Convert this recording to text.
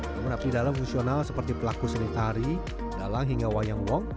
namun abdi dalam fungsional seperti pelaku seni tari dalang hingga wayang wong